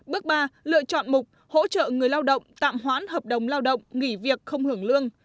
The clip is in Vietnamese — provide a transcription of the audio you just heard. bước ba lựa chọn mục hỗ trợ người lao động tạm hoãn hợp đồng lao động nghỉ việc không hưởng lương